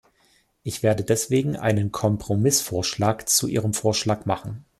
Ich werde deswegen einen Kompromissvorschlag zu Ihrem Vorschlag machen.